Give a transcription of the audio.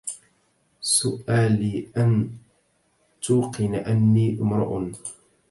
سؤلي أن توقن أني امرؤ